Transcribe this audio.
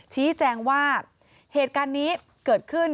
ชี้แจงว่าเหตุการณ์นี้เกิดขึ้น